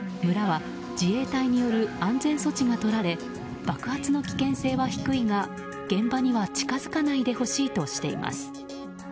村は自衛隊による安全措置がとられ爆発の危険性は低いが現場には近づかないでほしいとしています。